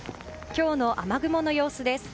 今日の雨雲の様子です。